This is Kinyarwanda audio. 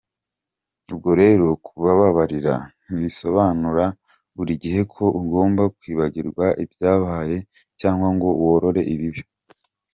Ubwo rero, kubabarira ntibisobanura buri gihe ko ugomba kwibagirwa ibyabaye cyangwa ngo worore ibibi.